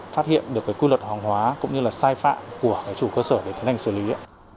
phát hiện được cái quy luật hóng hóa cũng như là sai phạm của cái chủ cơ sở để tiến hành xử lý đấy